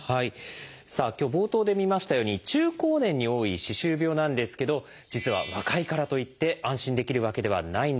さあ今日冒頭で見ましたように中高年に多い歯周病なんですけど実は若いからといって安心できるわけではないんです。